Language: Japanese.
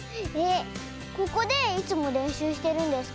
ここでいつもれんしゅうしてるんですか？